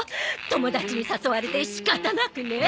友達に誘われて仕方なくね。